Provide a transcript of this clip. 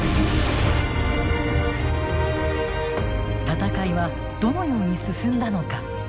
戦いはどのように進んだのか。